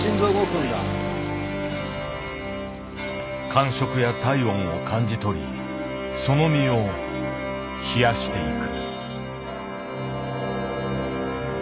感触や体温を感じ取りその身を冷やしていく。